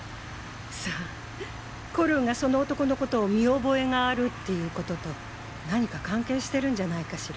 さあコルンがその男の事を見覚えがあるっていう事と何か関係してるんじゃないかしら？